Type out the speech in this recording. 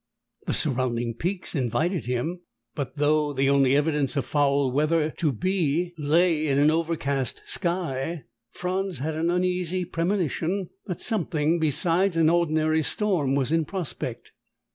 The surrounding peaks invited him. But though the only evidence of foul weather to be lay in an overcast sky, Franz had an uneasy premonition that something besides an ordinary storm was in prospect.